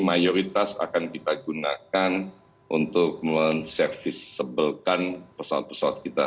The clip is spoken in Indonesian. mayoritas akan kita gunakan untuk men service able kan pesawat pesawat kita